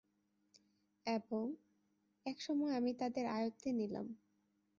এবং, একসময় আমি তাদের আয়ত্তে নিলাম।